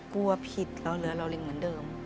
กลัวผิดรอเรือรอลิงเหมือนเดิม